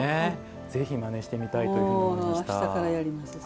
ぜひ、まねしてみたいというふうに思いました。